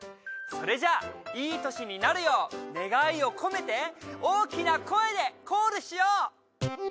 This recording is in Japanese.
それじゃいい年になるよう願いをこめて大きな声でコールしよう！